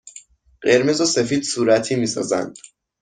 قرمز و سفید صورتی می سازند.